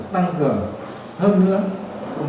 tăng cường hâm hướng công tác tuyên truyền